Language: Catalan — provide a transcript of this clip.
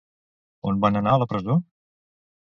On va anar a la presó?